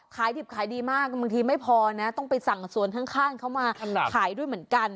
ขายดิบขายดีมากบางทีไม่พอนะต้องไปสั่งสวนข้างเขามาขายด้วยเหมือนกัน